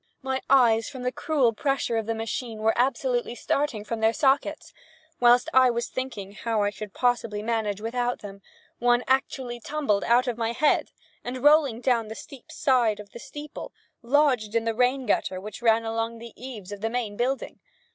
My eyes, from the cruel pressure of the machine, were absolutely starting from their sockets. While I was thinking how I should possibly manage without them, one actually tumbled out of my head, and, rolling down the steep side of the steeple, lodged in the rain gutter which ran along the eaves of the main building.